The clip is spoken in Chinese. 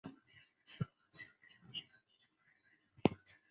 中华尾孢虫为尾孢科尾孢虫属的动物。